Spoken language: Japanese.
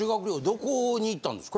どこに行ったんですか？